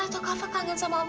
atau kafa kangen sama om taufan